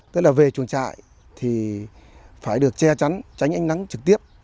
tức là về chuồng trại thì phải được che chắn tránh ánh nắng trực tiếp